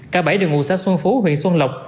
cả bảy đều ngụ xã xuân phú huyện xuân lộc